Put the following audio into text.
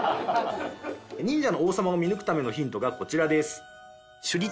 忍者の王様を見抜くためのヒントがこちらです。